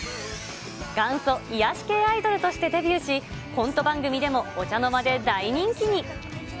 元祖癒やし系アイドルとしてデビューし、コント番組でもお茶の間で大人気に。